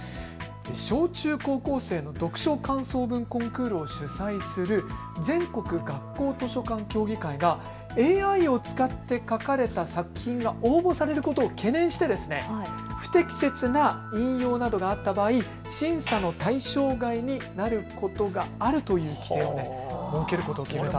小中高校生の読書感想文コンクールを主催する全国学校図書館協議会がＡＩを使って書かれた作品が応募されることを懸念して不適切な引用などがあった場合、審査の対象外になることがあるという規定を設けることを決めた。